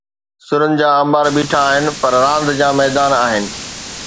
سرن جا انبار بيٺا آهن، پر راند جا ميدان آهن.